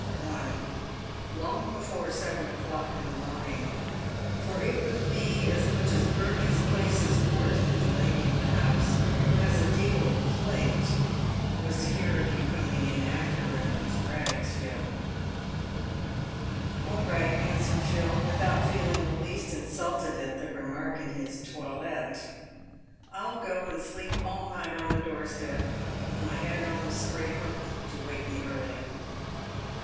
1, " long before seven o'clock in the morning, for it would be as much as Bertie's place is worth if the lady of the house, who has a deal of plate, was to hear of you coming after her in those rags, Phil." " All right," answered Phil, without feeling the least insulted at the remark in his toilette ;" I'll go and sleep all night on the door step, with my head on the scraper to wake me early."